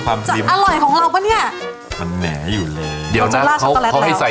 ความริมจะอร่อยของเราปะเนี้ยมันแหน่อยู่เลยเดี๋ยวนะเขาให้ใส่